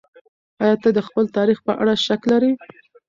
ايا ته د خپل تاريخ په اړه شک لرې؟